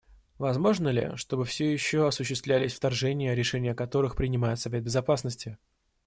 Возможно ли, чтобы все еще осуществлялись вторжения, решение о которых принимает Совет Безопасности?